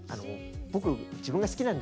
僕自分が好きなんですね。